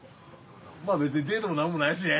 別にデートも何もないしね。